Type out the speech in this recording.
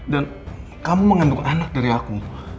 dan kamu mengandung anak dari aku